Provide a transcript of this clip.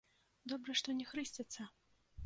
Добра, што не хрысцяцца!